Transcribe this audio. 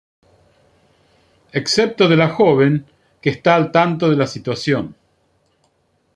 Excepto de la joven, que está al tanto de la situación.